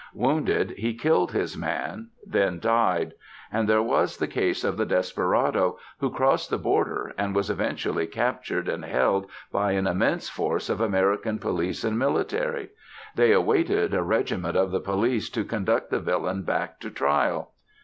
Wounded, he killed his man, then died. And there was the case of the desperado who crossed the border, and was eventually captured and held by an immense force of American police and military. They awaited a regiment of the Police to conduct the villain back to trial.